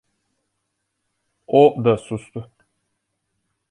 O da sustu.